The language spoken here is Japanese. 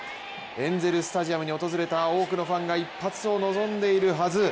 エンゼル・スタジアムに訪れた多くのファンが一発を望んでいるはず。